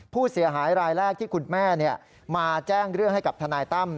ผู้เสียหายรายแรกที่คุณแม่มาแจ้งเรื่องให้กับทนายตั้ม